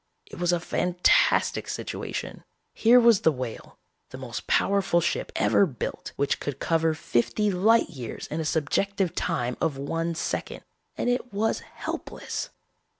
"It was a fantastic situation. Here was the Whale, the most powerful ship ever built, which could cover fifty light years in a subjective time of one second, and it was helpless.